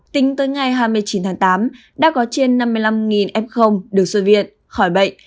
tính tới ngày hai mươi chín tháng tám đã có trên năm mươi năm f được sơ viện khỏi bệnh